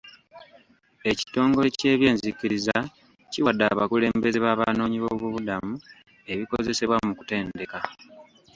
Ekitongole ky'ebyenzikiriza kiwadde abakulembeze b'abanoonyi b'obubudamu ebikozesebwa mu kutendeka.